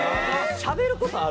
しゃべる事ある？